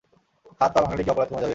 হাত-পা ভাঙলেই কি অপরাধ কমে যাবে?